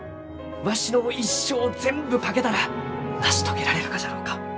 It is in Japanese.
わしの一生を全部懸けたら成し遂げられるがじゃろうか？